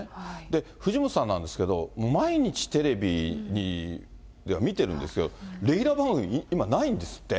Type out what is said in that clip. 藤本さんなんですけど、毎日テレビでは見ているんですけれども、レギュラー番組、今、ないんですって。